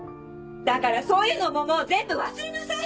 だからそういうのももう全部忘れなさい！